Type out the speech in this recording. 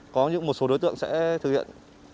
có những một số đối tượng sẽ thực hiện